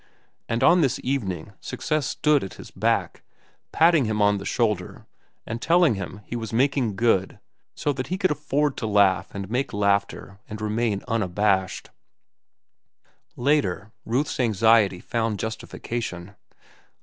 And on this evening success stood at his back, patting him on the shoulder and telling him that he was making good, so that he could afford to laugh and make laughter and remain unabashed. Later, Ruth's anxiety found justification.